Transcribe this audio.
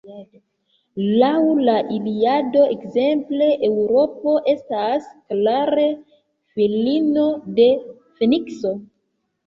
Laŭ la Iliado, ekzemple, Eŭropo estas klare filino de Fenikso.